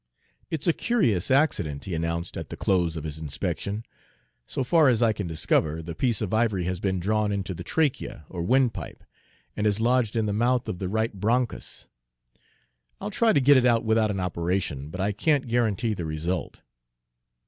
"It's a curious accident," he announced at the close of his inspection. "So far as I can discover, the piece of ivory has been drawn into the trachea, or windpipe, and has lodged in the mouth of the right bronchus. I'll try to get it out without an operation, but I can't guarantee the result."